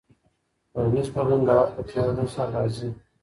ټولنیز بدلون د وخت په تیریدو سره راځي.